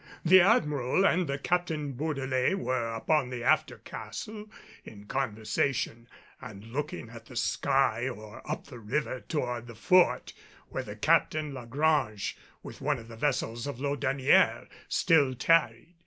The Admiral and the Captain Bourdelais were upon the after castle in conversation and looking at the sky or up the river toward the Fort, where the Captain La Grange, with one of the vessels of Laudonnière, still tarried.